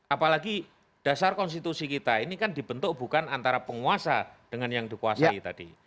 apalagi dasar konstitusi kita ini kan dibentuk bukan antara penguasa dengan yang dikuasai tadi